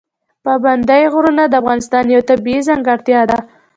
پابندی غرونه د افغانستان یوه طبیعي ځانګړتیا ده.